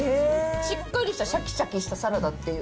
しっかりしたしゃきしゃきしたサラダっていう。